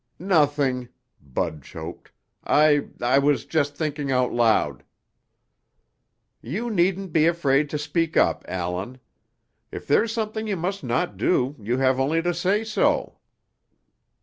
"Nothing." Bud choked. "I I was just thinking out loud." "You needn't be afraid to speak up, Allan. If there's something you must not do, you have only to say so."